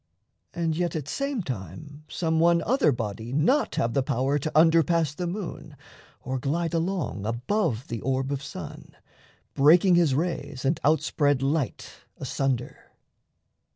And yet, at same time, some one other body Not have the power to under pass the moon, Or glide along above the orb of sun, Breaking his rays and outspread light asunder?